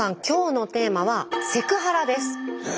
今日のテーマは「セクハラ」です。